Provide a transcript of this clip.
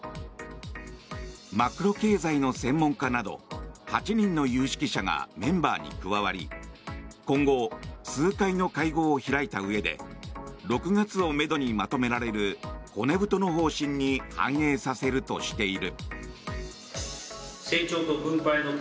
マクロ経済の専門家など８人の有識者がメンバーに加わり今後、数回の会合を開いたうえで６月をめどにまとめられる骨太の方針に反映させるとしている。